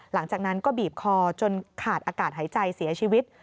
หลังจากนั้นก็บีบคอจนขาดอากาศหายใจเสียชีวิต